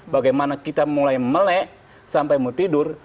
bagaimana kita mulai melek sampai mau tidur